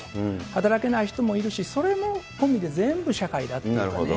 働けない人もいるし、それも込みで全部社会だっていうね。